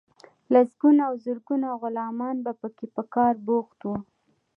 لسګونه او زرګونه غلامان به پکې په کار بوخت وو.